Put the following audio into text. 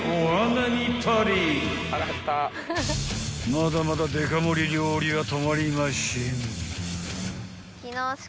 ［まだまだデカ盛り料理は止まりましぇん］